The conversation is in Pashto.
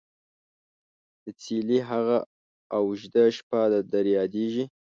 دڅيلې هغه او ژده شپه در ياديژي ?